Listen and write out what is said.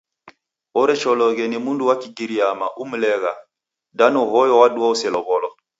Orecheloghe ni mndu wa Kigiriyama umlegha. Danu hoyu wadua uselow'olo.